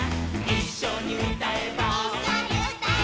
いっしょにうたえば。